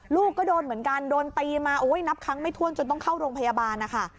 ลูกก็โดนเหมือนกันโดนตีมาโอ้ยนับครั้งไม่ถ้วนจนต้องเข้าโรงพยาบาลนะคะ